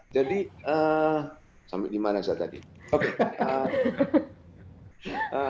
jadi sampai di mana saya tadi oke